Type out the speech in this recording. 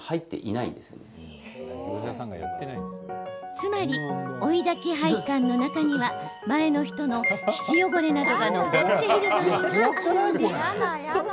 つまり、追いだき配管の中には前の人の皮脂汚れなどが残っている場合があるんです。